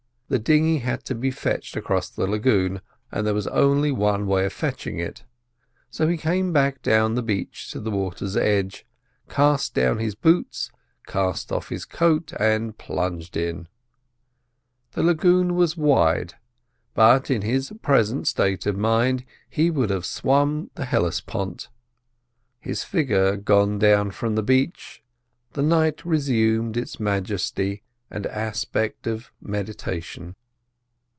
The dinghy had to be fetched across the lagoon, and there was only one way of fetching it. So he came back down the beach to the water's edge, cast down his boots, cast off his coat, and plunged in. The lagoon was wide, but in his present state of mind he would have swum the Hellespont. His figure gone from the beach, the night resumed its majesty and aspect of meditation.